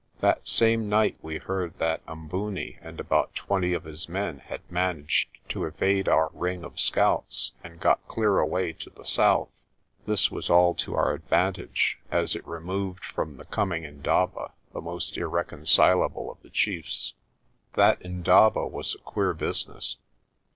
That same night we heard that Umbooni and about twenty of his men had managed to evade our ring of scouts and got clear away to the south. This was all to our advantage, as it removed from the coming indaba the most irreconcilable of the chiefs. That indaba was a queer business.